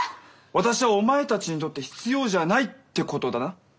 私はお前たちにとって必要じゃないってことだな？